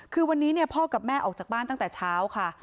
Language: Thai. คือวันนี้พ่อกับแม่ออกจากบ้านตั้งแต่เช้าค่ะ